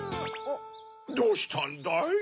どうしたんだい？